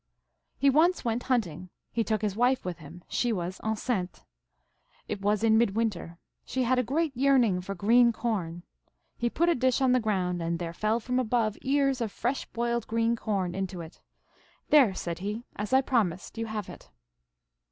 " He once went hunting. He took his wife with him ; she was enceinte. It was in midwinter. She had a great yearning for green corn. He put a dish on the ground, and there fell from above ears of fresh boiled green corn into it. There, said he, as I promised, you have it.